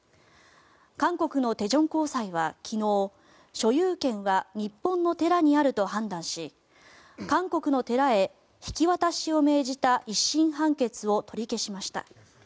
韓国の大田高裁は昨日所有権は日本の寺にあると判断し韓国の寺へ引き渡しを命じた一審判決を取り消しました。